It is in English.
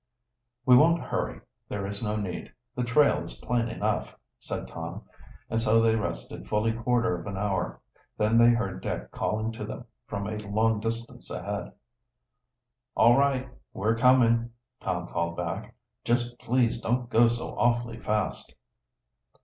"We won't hurry, there is no need. The trail is plain enough," said Tom, and so they rested fully quarter of an hour. Then they heard Dick calling to them from a long distance ahead. "All right; we're coming!" Tom called back. "Just please don't go so awfully fast!"